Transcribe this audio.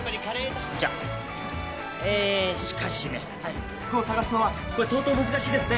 えっしかしねはい服を探すのはこれ相当難しいですね